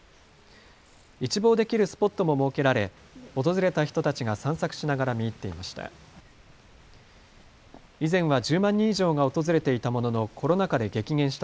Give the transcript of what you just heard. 一望できるスポットも設けられ訪れた人たちが散策しながら見入っていました。